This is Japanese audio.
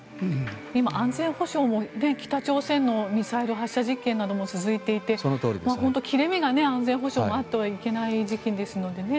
今、安全保障も北朝鮮のミサイル発射実験なども続いていて切れ目が安全保障もあってはいけない時期ですのでね。